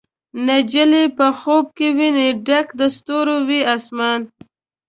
نجلۍ په خوب کې ویني ډک د ستورو، وي اسمان